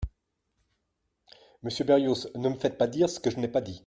Monsieur Berrios, ne me faites pas dire ce que je n’ai pas dit.